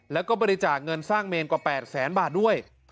แล้วก็บริจาคเงินสร้างเมนกว่า๘แสนบาทด้วย